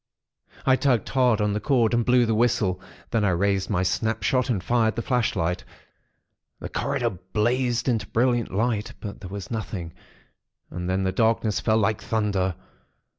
I tugged hard on the cord, and blew the whistle; then I raised my snapshot, and fired the flashlight. The corridor blazed into brilliant light; but there was nothing; and then the darkness fell like thunder.